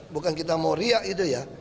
bukan kita mau riak itu ya